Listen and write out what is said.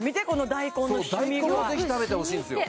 大根もぜひ食べてほしいんですよ